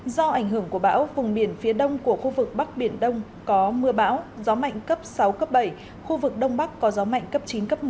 do ảnh hưởng của bão vùng biển phía đông của khu vực bắc biển đông có mưa bão gió mạnh cấp sáu cấp bảy khu vực đông bắc có gió mạnh cấp chín cấp một mươi